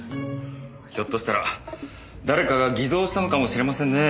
ひょっとしたら誰かが偽造したのかもしれませんね。